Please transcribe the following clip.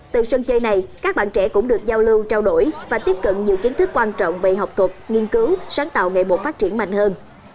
từ sân chơi này các bạn trẻ cũng được giao lưu trao đổi và tiếp cận nhiều kiến thức quan trọng về học thuật nghiên cứu sáng tạo nghệ bộ phát triển mạnh hơn